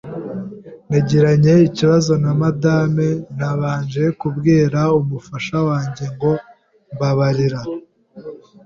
nagiranye ikibazo na Madame, ntabanje kubwira umufasha wanjye ngo :" MBABARIRA "